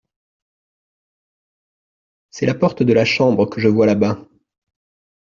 C’est la porte de la chambre que je vois là-bas.